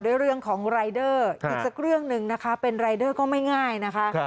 เรื่องของรายเดอร์อีกสักเรื่องหนึ่งนะคะเป็นรายเดอร์ก็ไม่ง่ายนะคะ